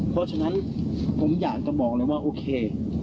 เพราะฉะนั้นผมอยากจะบอกเลยว่าโอเค